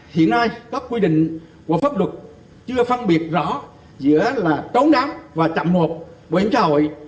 hiện nay các quy định của pháp luật chưa phân biệt rõ giữa là thấu đáo và chậm nộp bảo hiểm xã hội